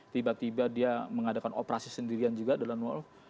tiba tiba dia mengadakan operasi sendirian juga dalam world